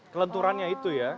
kelenturannya itu ya